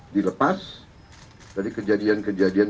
dilepas dari kejadian kejadian